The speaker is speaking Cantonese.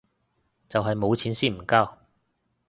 就係冇錢先唔交